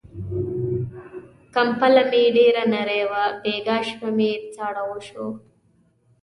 کمپله مې ډېره نری وه، بيګاه شپه مې ساړه وشو.